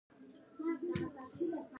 خدای مه کړه مړه نه شي او حج مې خراب شي.